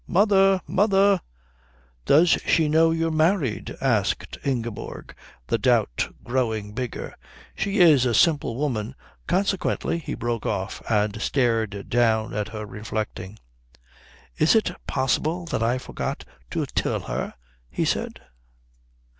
Mother! Mother!" "Does she know you're married?" asked Ingeborg, the doubt growing bigger. "She is a simple woman. Consequently " He broke off and stared down at her, reflecting. "Is it possible that I forgot to tell her?" he said.